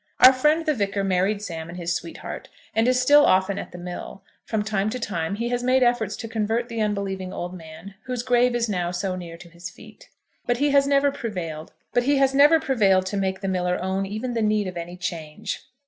Our friend the Vicar married Sam and his sweetheart, and is still often at the mill. From time to time he has made efforts to convert the unbelieving old man whose grave is now so near to his feet; but he has never prevailed to make the miller own even the need of any change.